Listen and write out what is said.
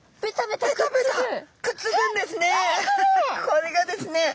これがですね